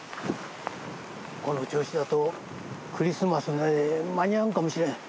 この調子だとクリスマスまで間に合わんかもしれん。